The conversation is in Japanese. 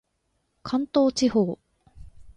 関東地方